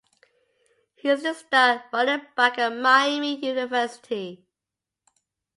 He is the star running back at Miami University.